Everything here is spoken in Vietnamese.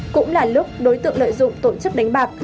cũng là lúc đối tượng lợi dụng tổ chức đánh bạc